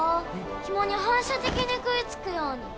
ヒモに反射的に食いつくように。